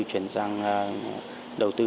chuyển sang đầu tư